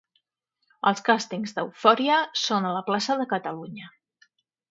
Els càstings d'Eufòria són a la plaça de Catalunya.